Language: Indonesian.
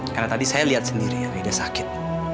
karena tadi saya lihat sendiri yang aida sakit